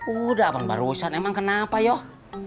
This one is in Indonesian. udah emang barusan emang kenapa yoh